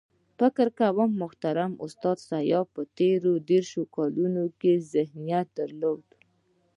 فکر کوم محترم استاد سیاف په تېرو دېرشو کالو کې ذهانت درلود.